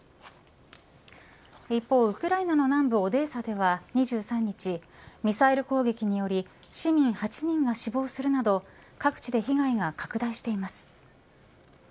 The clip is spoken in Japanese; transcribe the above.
一方、ウクライナの南部オデーサでは２３日ミサイル攻撃により市民８人が死亡するなど各地で被害が拡大しています。